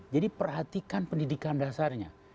jadi perhatikan pendidikan dasarnya